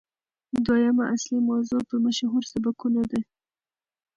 دويمه اصلي موضوع مې مشهورسبکونه دي